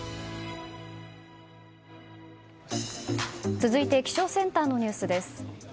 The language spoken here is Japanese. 続いて気象センターのニュースです。